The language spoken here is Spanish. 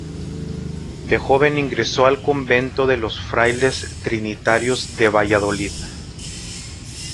De joven ingresó al convento de los frailes trinitarios de Valladolid.